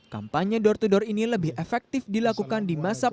kampanye door to door ini lebih efektif dilakukan di masa pandemi